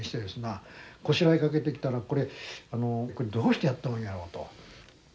こしらえかけてきたらこれどうしてやったらええんやろうと。